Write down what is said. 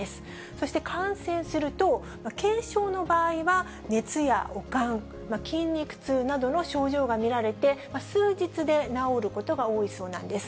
そして感染すると、軽症の場合は熱や悪寒、筋肉痛などの症状が見られて、数日で治ることが多いそうなんです。